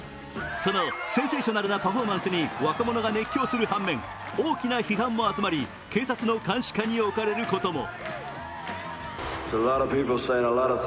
そのセンセーショナルなパフォーマンスに若者が熱狂する反面大きな批判も集まり警察の監視下に置かれることも。